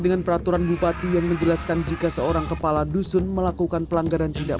dengan peraturan bupati yang menjelaskan jika seorang kepala dusun melakukan pelanggaran tidak